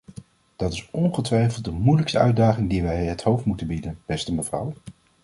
Dat is ongetwijfeld de moeilijkste uitdaging die wij het hoofd moeten bieden, beste mevrouw.